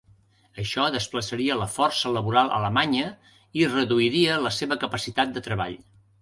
Això desplaçaria la força laboral alemanya i reduiria la seva capacitat de treball.